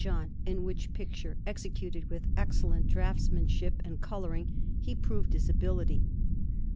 John; in which picture, executed with excellent draughtsmanship and colouring, he proved his ability.